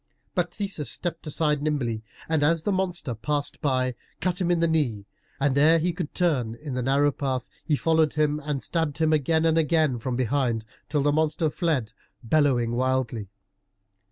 But Theseus stepped aside nimbly, and as the monster passed by, cut him in the knee, and ere he could turn in the narrow path, he followed him, and stabbed him again and again from behind, till the monster fled, bellowing wildly.